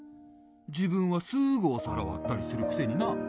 自分はすぐお皿割ったりするくせにな。